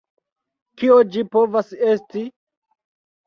Kio ĝi povas esti?